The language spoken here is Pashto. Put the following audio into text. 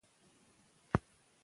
همکاري د ملت د پرمختګ بنسټ دی.